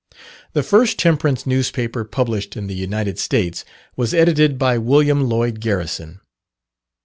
The first temperance newspaper published in the United States, was edited by William Lloyd Garrison.